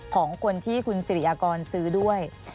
ของคนที่คุณสิริยากรซื้อด้วย